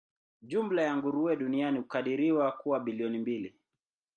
Jumla ya nguruwe duniani hukadiriwa kuwa bilioni mbili.